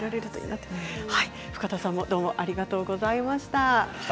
深田さんもありがとうございました。